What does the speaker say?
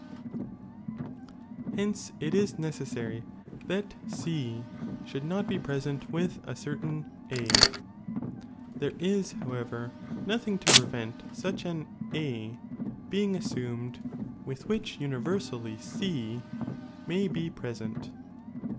HenC^ ii is necessary that C eliuultl not lie present with a certain A ; then ia, however, nothing to prevent such an A being as ■amed, with which universally C may be preiient.